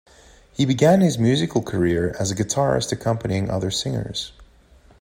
He began his musical career as a guitarist accompanying other singers.